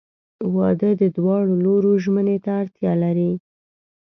• واده د دواړو لورو ژمنې ته اړتیا لري.